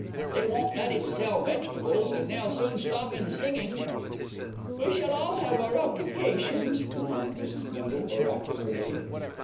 They won't let 'im sell vegetables, and they'll soon stop 'im singing." "We shall all have our occupations," remarked Mrs. Bindle oracularly.